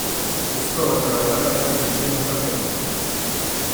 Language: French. Ce sport est alors l’apanage de l’Emmental bernois.